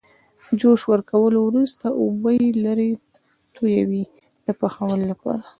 جوش ورکولو وروسته اوبه یې لرې تویوي د پخولو لپاره.